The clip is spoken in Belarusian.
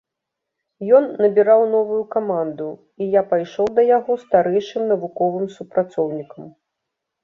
Ён набіраў новую каманду, і я пайшоў да яго старэйшым навуковым супрацоўнікам.